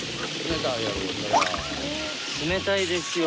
冷たいですよ。